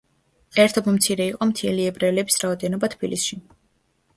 ერთობ მცირე იყო მთიელი ებრაელების რაოდენობა თბილისში.